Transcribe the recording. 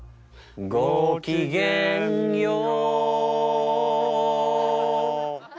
「ごきげんよう！」